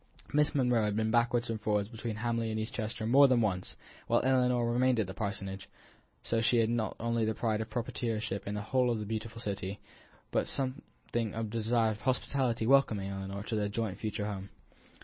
Miss Monro had been backwards and forwards between Hamley and East Chester more than once, while Ellinor remained at the parsonage; so she had not only the pride of proprietorship in the whole of the beautiful city, but something of the desire of hospitably welcoming Ellinor to their joint future home.